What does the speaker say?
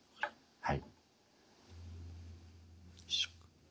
はい。